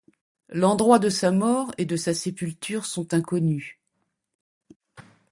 L'endroit de sa mort et de sa sépulture sont inconnus.